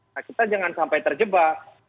nah kita jangan sampai terjebak